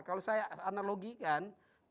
kalau saya analogikan